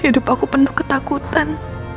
hidup aku penuh ketakutan